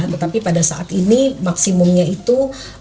tetapi pada saat ini maksimumnya itu